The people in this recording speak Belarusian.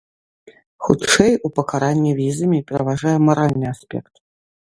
Хутчэй, у пакаранні візамі пераважае маральны аспект.